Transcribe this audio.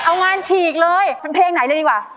เอางานฉีกเลยเป็นเพลงไหนเลยดีกว่า